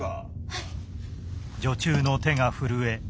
はい。